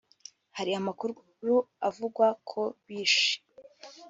Hari amakuru avugwa ko Bish